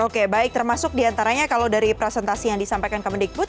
oke baik termasuk diantaranya kalau dari presentasi yang disampaikan kemendikbud